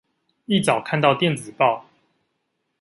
一早看到電子報